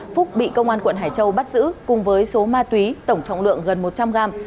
phúc bị công an quận hải châu bắt giữ cùng với số ma túy tổng trọng lượng gần một trăm linh g